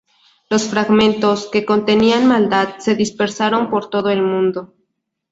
Los fragmentos, que contenían maldad, se dispersaron por todo el mundo.